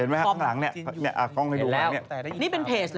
เห็นไหมครับข้างหลังนี้อ่ะกล้องให้ดูข้างนี้